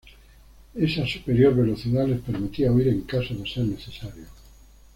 Esa superior velocidad les permitía huir en caso de ser necesario.